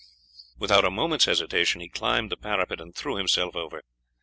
Without a moment's hesitation he climbed the parapet and threw himself over.